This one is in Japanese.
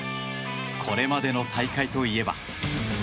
これまでの大会といえば。